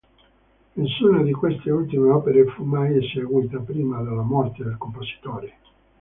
Nessuna di queste ultime opere fu mai eseguita prima della morte del compositore.